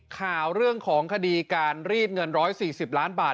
ข่าวเรื่องของคดีการรีดเงิน๑๔๐ล้านบาท